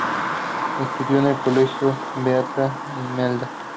Estudió en el Colegio Beata Imelda.